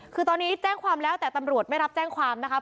คือตอนนี้แจ้งความแล้วแต่ตำรวจไม่รับแจ้งความนะคะ